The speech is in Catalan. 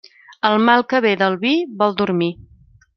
El mal que ve del vi vol dormir.